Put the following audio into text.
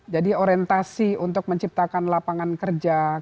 jadi orientasi untuk menciptakan lapangan kerja